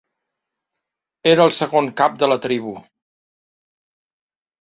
Era el segon cap de la tribu.